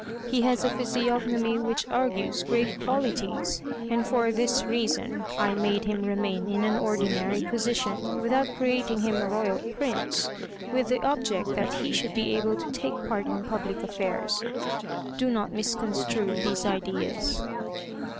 He has a physiognomy which argues great qualities, and for this reason, I made him remain in an ordinary position, without creating him a Royal Prince, with the object that he should be able to take part in public affairs. Do not misconstrue these ideas."